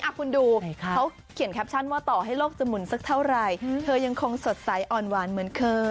คุณดูเขาเขียนแคปชั่นว่าต่อให้โลกจะหมุนสักเท่าไหร่เธอยังคงสดใสอ่อนหวานเหมือนเคย